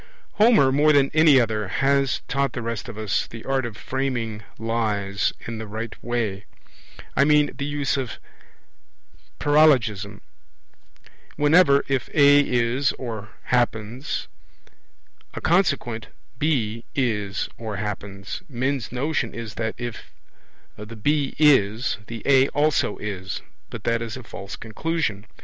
Homer more than any other has taught the rest of us the art of framing lies in the right way. I mean the use of paralogism. Whenever, if A is or happens, a consequent, B, is or happens, men's notion is that, if the B is, the A also is but that is a false conclusion.